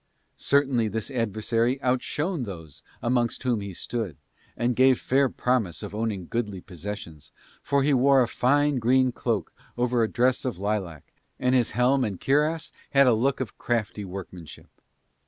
Certainly this adversary outshone those amongst whom he stood, and gave fair promise of owning goodly possessions, for he wore a fine green cloak over a dress of lilac, and his helm and cuirass had a look of crafty workmanship.